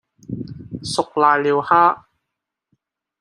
熟瀨尿蝦